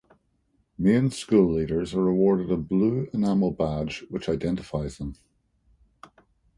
Main school leaders are awarded a blue enamel badge which identifies them.